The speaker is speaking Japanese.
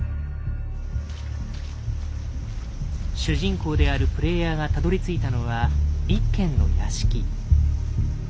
主人公であるプレイヤーがたどりついたのは一軒の屋敷。